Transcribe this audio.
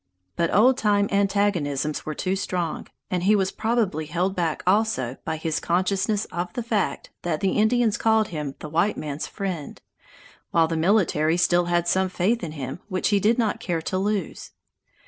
But old time antagonisms were too strong; and he was probably held back also by his consciousness of the fact that the Indians called him "the white man's friend", while the military still had some faith in him which he did not care to lose.